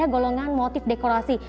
golongan motif dekorasi